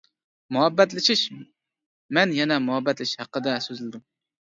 مۇھەببەتلىشىش مەن يەنە مۇھەببەتلىشىش ھەققىدە سۆزلىدىم.